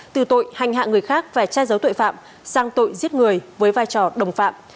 từ tội hành hạ người khác và che giấu tội phạm sang tội giết người với vai trò đồng phạm